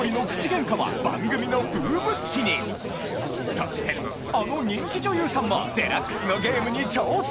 そしてあの人気女優さんも『ＤＸ』のゲームに挑戦！